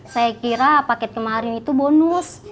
saya kira paket kemarin itu bonus